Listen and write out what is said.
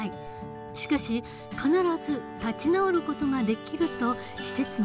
しかし必ず立ち直る事ができると施設の代表は言う。